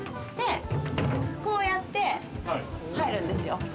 こうやって入るんですよ。